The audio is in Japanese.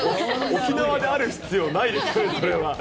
沖縄である必要ないですね、それは。